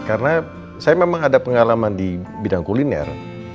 karena saya memang ada pengalaman di bidang kuliner